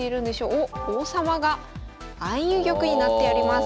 おっ王様が相入玉になっております。